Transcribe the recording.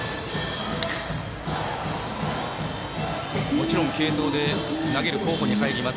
もちろん、継投で投げる候補に入ります